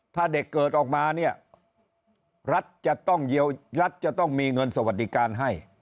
ถ้าเด็กเกิดออกมาเนี่ยรัฐจะต้องรัฐจะต้องมีเงินสวัสดิการให้